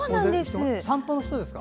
散歩の人ですか？